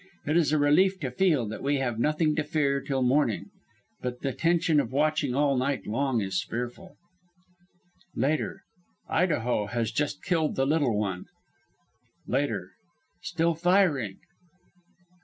It is a relief to feel that we have nothing to fear till morning, but the tension of watching all night long is fearful. "Later. Idaho has just killed the Little One. "Later. Still firing.